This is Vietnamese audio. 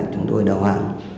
chúng tôi đầu hàng